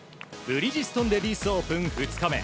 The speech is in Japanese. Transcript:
ブリヂストンレディスオープン２日目。